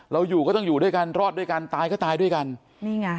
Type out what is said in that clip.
เราอยู่ก็ต้องอยู่ด้วยกันรอดด้วยกันตายก็ตายด้วยกันนี่ไง